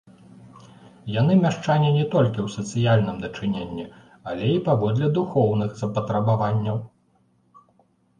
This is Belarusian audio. Яны мяшчане не толькі ў сацыяльным дачыненні, але і паводле духоўных запатрабаванняў.